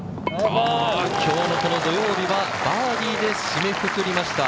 今日の土曜日はバーディーで締めくくりました。